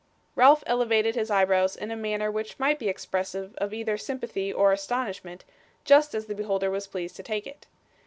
Ralph elevated his eyebrows in a manner which might be expressive of either sympathy or astonishment just as the beholder was pleased to take it.